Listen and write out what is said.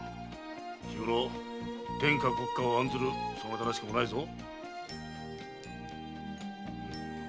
日ごろ天下国家を案ずるそなたらしくもないぞ。